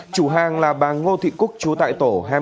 chủ hàng là bà ngô thị cúc chú tại tổ